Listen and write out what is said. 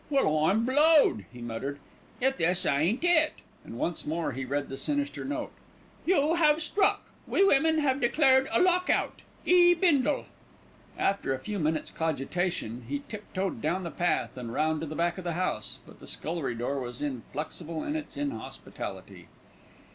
"Well, I'm blowed!" he muttered. "If this ain't it," and once more he read the sinister notice: "You have struck. We women have declared a lock out. "E. BINDLE." After a few minutes' cogitation, he tip toed down the path and round to the back of the house; but the scullery door was inflexible in its inhospitality.